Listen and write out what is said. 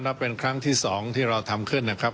เป็นครั้งที่๒ที่เราทำขึ้นนะครับ